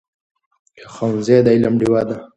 ښوونځی د علم ډېوه ده.